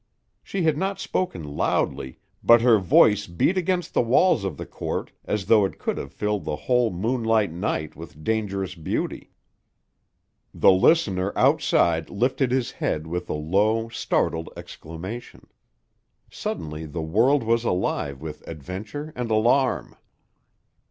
She had not spoken loudly, but her voice beat against the walls of the court as though it could have filled the whole moonlight night with dangerous beauty. The listener outside lifted his head with a low, startled exclamation. Suddenly the world was alive with adventure and alarm.